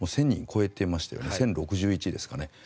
１０００人を超えていましたね１０６１人ですかね。